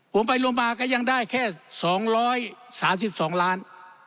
ผมไปรวมมาก็ยังได้แค่สองร้อยสามสิบสองล้าน